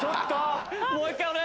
もう１回！